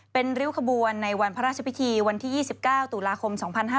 เป็นริ้วขบวนในวันพระราชพิธีวันที่๒๙ตุลาคม๒๕๕๙